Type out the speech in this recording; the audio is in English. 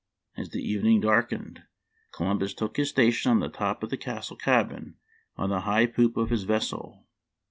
As the evening darkened, Columbus took his station on the top of the castle cabin on the high poop of his vessel.